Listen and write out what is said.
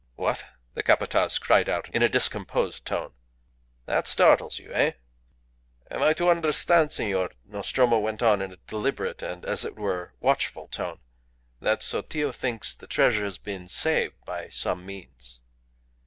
"What?" the Capataz cried out in a discomposed tone. "That startles you eh?" "Am I to understand, senor," Nostromo went on in a deliberate and, as it were, watchful tone, "that Sotillo thinks the treasure has been saved by some means?"